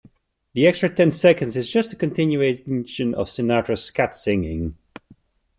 The extra ten seconds is just a continuation of Sinatra's scat singing.